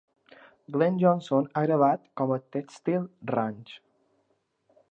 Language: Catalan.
Glen Johnson ha gravat com a "Textile Ranch".